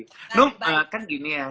hanum kan gini ya